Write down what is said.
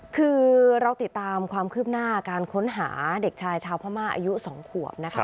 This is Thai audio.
คือเราติดตามความคืบหน้าการค้นหาเด็กชายชาวพม่าอายุ๒ขวบนะคะ